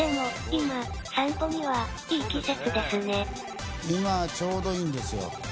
今、ちょうどいいんですよ。